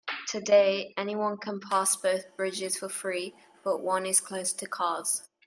Today, anyone can pass both bridges for free, but one is closed to cars.